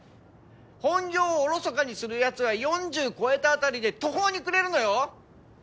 本業をおろそかにするやつは４０超えたあたりで途方に暮れるのよ！？